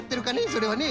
それはね。